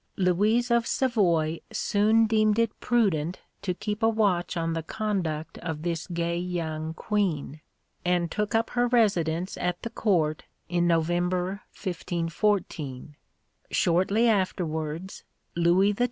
Louise of Savoy soon deemed it prudent to keep a watch on the conduct of this gay young Queen, and took up her residence at the Court in November 1514. Shortly afterwards Louis XII.